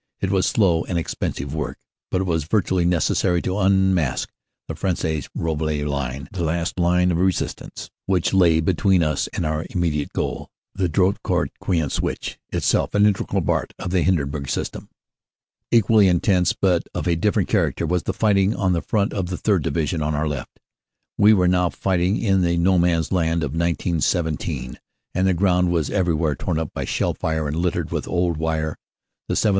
It was slow and expensive work, but it was vitally necessary to unmask the Fresnes Rouvroy line, the last line of resistance which lay between us and our immediate goal, the Drocourt Queant Switch, itself an integral part of the Hindenburg system. Equally intense but of a different character was the fighting 132 CANADA S HUNDRED DAYS on the front of the 3rd. Division on our left. We were now fighting in the No Man s Land of 1917 and the ground was everywhere torn up by shell fire and littered with old wire. The 7th.